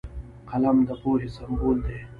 قلم د پوهې سمبول دی